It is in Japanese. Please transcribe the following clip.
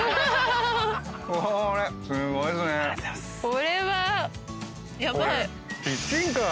これはヤバい！